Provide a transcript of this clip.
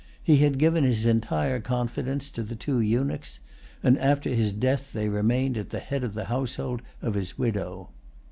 He had given his entire confidence to the two eunuchs; and after his death they remained at the head of the household of his widow.